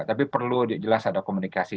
tapi perlu jelas ada komunikasi